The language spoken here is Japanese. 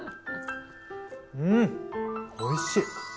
うんおいしい！